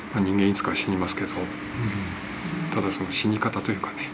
いつかは死にますけどただその死に方というかね